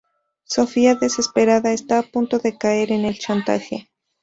Sofia, desesperada, está a punto de caer en el chantaje.